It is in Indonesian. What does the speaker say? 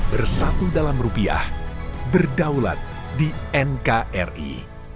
bersatu dalam rupiah berdaulat di nkri